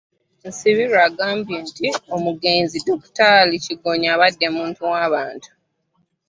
Nsibirwa agambye nti omugenzi Dokitaali Kigonya abadde muntu w'abantu.